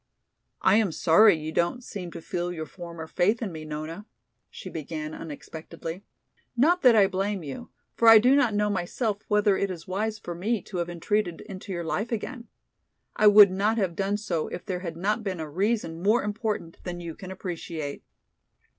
"I am sorry you don't seem to feel your former faith in me, Nona," she began unexpectedly. "Not that I blame you, for I do not know myself whether it is wise for me to have intruded into your life again. I would not have done so if there had not been a reason more important than you can appreciate."